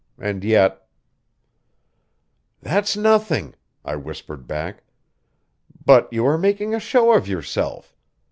And yet "That's nothing," I whispered back. "But you are making a show of yourself.